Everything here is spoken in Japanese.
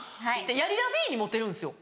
やりらふぃーにモテるんですよ